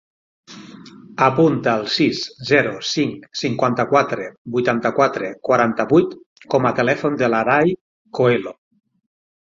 Apunta el sis, zero, cinc, cinquanta-quatre, vuitanta-quatre, quaranta-vuit com a telèfon de l'Aray Coelho.